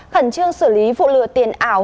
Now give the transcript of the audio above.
khẩn trương xử lý vụ lừa tiền ảo